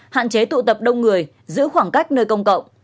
hạn chế tụ tập đông người giữ khoảng cách nơi công cộng